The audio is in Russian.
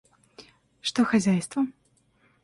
Что хозяйство?